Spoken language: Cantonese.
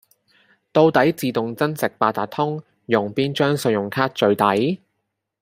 到底自動增值八達通，用邊張信用卡最抵？